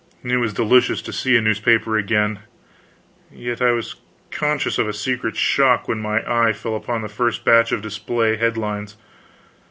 It was delicious to see a newspaper again, yet I was conscious of a secret shock when my eye fell upon the first batch of display head lines.